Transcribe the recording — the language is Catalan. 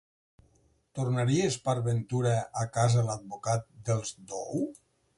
¿Tornaries, per ventura, a casa l'advocat dels Dou?